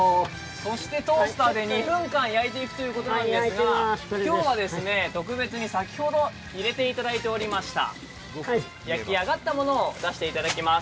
そしてトースターで２分間焼いていくということなんですが今日は特別に、先ほど入れておいていただいておりました、焼き上がったものを出していただきます。